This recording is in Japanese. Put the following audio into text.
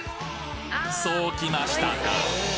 そうきましたか！